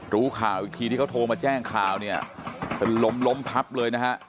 รู้ข่าวอีกทีที่เขาโทรมาแจ้งข่าวเนี่ยเป็นล้มล้มพับเลยนะฮะ